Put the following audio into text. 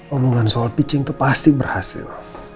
omongan soal picing tuh pasti berhasil